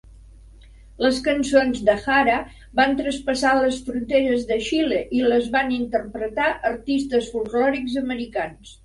Les cançons de Jara van traspassar les fronteres de Xile i les van interpretar artistes folklòrics americans.